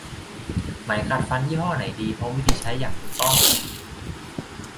ไหมขัดฟันยี่ห้อไหนดี พร้อมวิธีใช้อย่างถูกต้อง